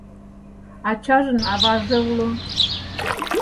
Ачажын аваже уло.